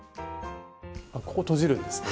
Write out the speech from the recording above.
ここ閉じるんですね。